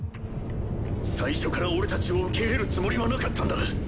最初から俺たちを受け入れるつもりはなかったんだ。